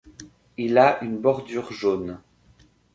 Il a une bordure jaune.